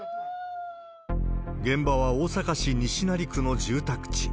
現場は大阪市西成区の住宅地。